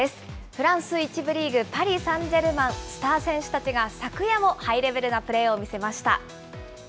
フランス１部リーグ・パリサンジェルマン、スター選手たちが、昨夜もハイレベルなプレーを見せました。